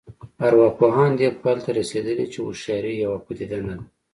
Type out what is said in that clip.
ارواپوهان دې پایلې ته رسېدلي چې هوښیاري یوه پدیده نه ده